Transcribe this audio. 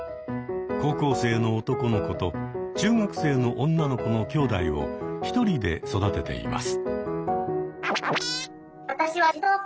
高校生の男の子と中学生の女の子のきょうだいを１人で育てています。